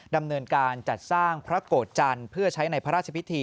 ดำเนินการจัดสร้างพระโกรธจันทร์เพื่อใช้ในพระราชพิธี